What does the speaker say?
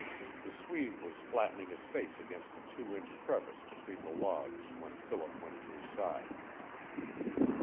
The Swede was flattening his face against a two inch crevice between the logs when Philip went to his side.